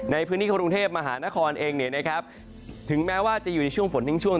ในพื้นที่กรุงเทพมหานครเองถึงแม้ว่าจะอยู่ในช่วงฝนทิ้งช่วง